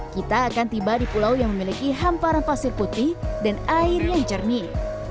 kita akan tiba di pulau yang memiliki hamparan pasir putih dan air yang jernih